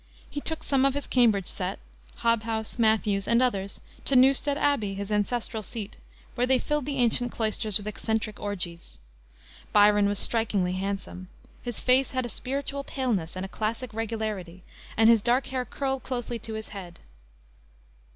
He took some of his Cambridge set Hobhouse, Matthews, and others to Newstead Abbey, his ancestral seat, where they filled the ancient cloisters with eccentric orgies. Byron was strikingly handsome. His face had a spiritual paleness and a classic regularity, and his dark hair curled closely to his head.